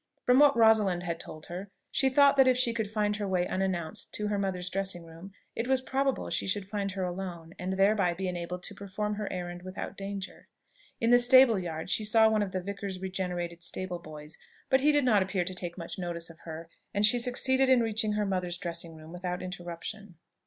From what Rosalind had told her, she thought that if she could find her way unannounced to her mother's dressing room, it was probable she should find her alone, and thereby be enabled to perform her errand without danger. In the stable yard she saw one of the vicar's regenerated stable boys; but he did not appear to take much notice of her, and she succeeded in reaching her mother's dressing room without interruption.